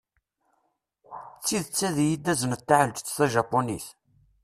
D tidet ad yi-d-tazneḍ taɛelǧett tajapunit?